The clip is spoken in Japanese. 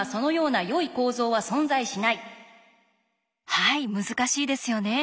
はい難しいですよね。